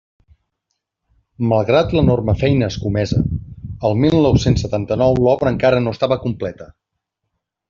Malgrat l'enorme feina escomesa, el mil nou-cents setanta-nou l'obra encara no estava completa.